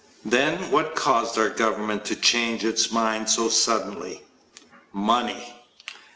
Then what caused our government to change its mind so suddenly? Money.